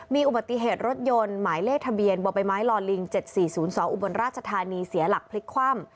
มีอุบัติเหตุรถยนต์หมายเลขทะเบียนบ่อใบไม้ลอลิง๗๔๐๒อุบลราชธานีเสียหลักพลิกคว่ำ